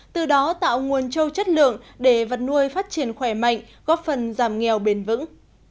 từ đó tạo nguồn trâu chất lượng để vật nuôi phát triển khỏe mạnh góp phần giảm nghèo bền vững